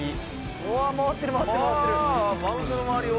うわあ回ってる回ってる。